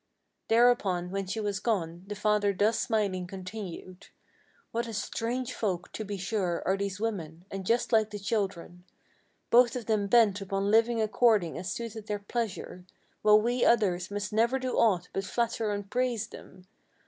Thereupon when she was gone, the father thus smiling continued: "What a strange folk, to be sure, are these women; and just like the children; Both of them bent upon living according as suiteth their pleasure, While we others must never do aught but flatter and praise them.